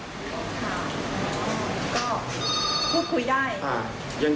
ก็พูดคุยได้